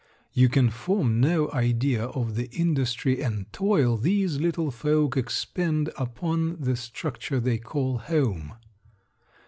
You can form no idea of the industry and toil these little folk expend upon the structure they call home.